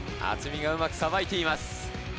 渥美がうまくさばいています。